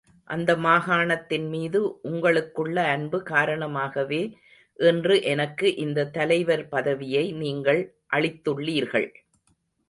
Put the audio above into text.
அந்த மாகாணத்தின் மீது உங்களுக்குள்ள அன்பு காரணமாகவே இன்று எனக்கு இந்த தலைவர் பதவியை நீங்கள் அளித்துள்ளீர்கள்.